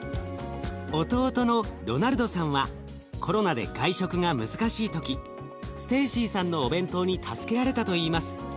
弟のロナルドさんはコロナで外食が難しい時ステーシーさんのお弁当に助けられたといいます。